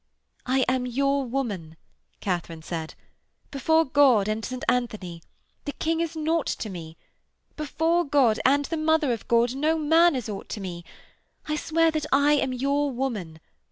'I am your woman,' Katharine said. 'Before God and St Anthony, the King is naught to me! Before God and the Mother of God, no man is aught to me! I swear that I am your woman.